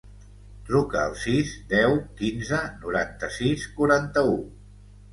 Truca al sis, deu, quinze, noranta-sis, quaranta-u.